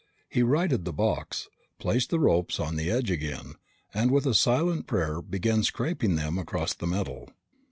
He righted the box, placed the ropes on the edge again and, with a silent prayer, began scraping them across the metal.